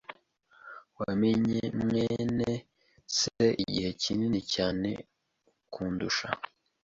Wamenye mwene se igihe kinini cyane kundusha.